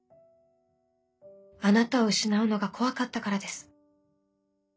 あなたを失うのが怖かったからです。